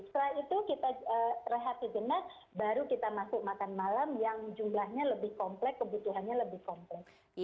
setelah itu kita rehat sejenak baru kita masuk makan malam yang jumlahnya lebih komplek kebutuhannya lebih kompleks